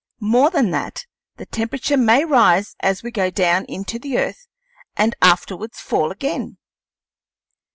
More than that, the temperature may rise as we go down into the earth and afterwards fall again.